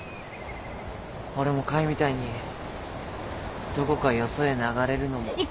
俺もカイみたいにどこかよそへ流れるのも。